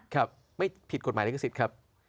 ครับไม่ผิดกฎหมายและกษิตครับ